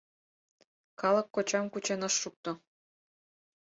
Калык кочам кучен ыш шукто.